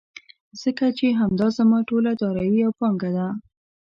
ځکه چې همدا زما ټوله دارايي او پانګه ده.